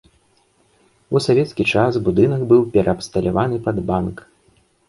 У савецкі час будынак быў пераабсталяваны пад банк.